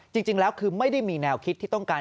จริงแล้วคือไม่ได้มีแนวคิดที่ต้องการ